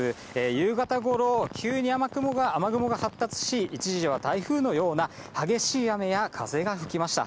夕方ごろ、急に雨雲が発達し、一時は台風のような激しい雨や風が吹きました。